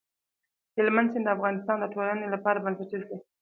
هلمند سیند د افغانستان د ټولنې لپاره بنسټيز دی.